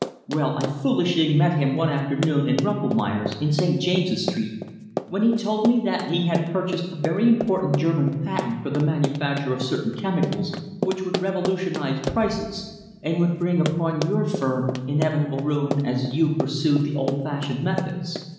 Well, I foolishly met him one afternoon in Rumpelmeyer's, in St. James's Street, when he told me that he had purchased a very important German patent for the manufacture of certain chemicals which would revolutionise prices, and would bring upon your firm inevitable ruin, as you pursued the old fashioned methods.